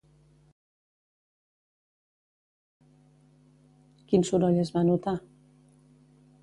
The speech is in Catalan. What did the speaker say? Quin soroll es va notar?